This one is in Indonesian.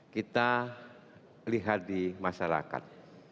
kita lihat di masyarakat